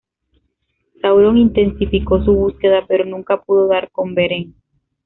Sauron intensificó su búsqueda, pero nunca pudo dar con Beren.